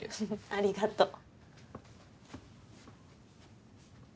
ありがとう。